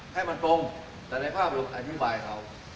ให้มันตรงแต่ในภาพเราอธิบายเขา